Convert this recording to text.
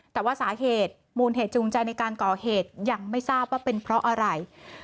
แต่ว่าสาเหตุมูลเหตุจูงใจในการก่อเหตุยังไม่ทราบว่าเป็นเพราะอะไร